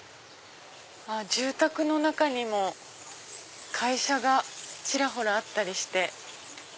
住宅の中にも会社がちらほらあったりして。